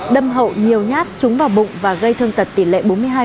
đâm hậu nhiều nhát trúng vào bụng và gây thương tật tỷ lệ bốn mươi hai